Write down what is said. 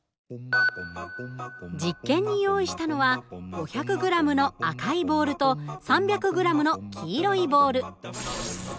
実験に用意したのは５００ｇの赤いボールと３００ｇの黄色いボール。